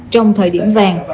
trong thời điểm vàng